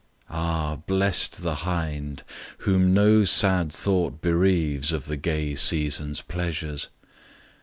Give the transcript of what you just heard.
Ah, blest the hind whom no sad thought bereaves Of the gay Season's pleasures!